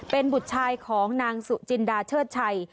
เป็นบุตรชายของนางสุจินดาเชิดชัย